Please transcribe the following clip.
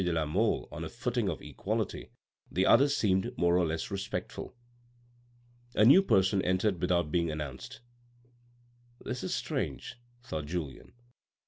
de la Mole on a footing of equality, the others seemed more or less respectful. A new person entered without being announced. " This is strange," thought Julien.